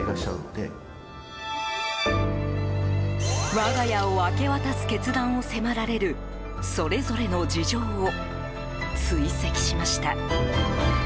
我が家を明け渡す決断を迫られるそれぞれの事情を追跡しました。